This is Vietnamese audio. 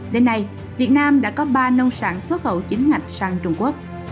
đến nay việt nam đã có ba nông sản xuất khẩu chính ngạch sang trung quốc